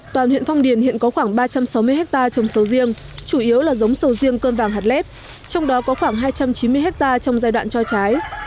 toàn huyện phong điền hiện có khoảng ba trăm sáu mươi hectare trồng sầu riêng chủ yếu là giống sầu riêng cơm vàng hạt lép trong đó có khoảng hai trăm chín mươi hectare trong giai đoạn cho trái